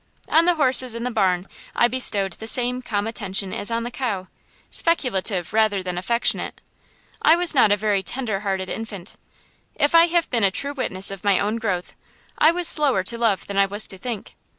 On the horses in the barn I bestowed the same calm attention as on the cow, speculative rather than affectionate. I was not a very tender hearted infant. If I have been a true witness of my own growth, I was slower to love than I was to think.